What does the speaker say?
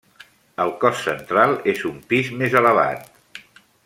El cos central és un pis més elevat.